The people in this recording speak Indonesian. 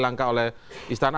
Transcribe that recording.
langkah oleh istana